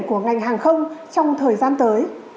của ngành hàng không trong thời gian tới